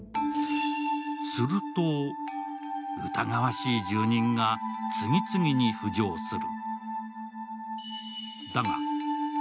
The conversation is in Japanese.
すると、疑わしい住人が次々に浮上する。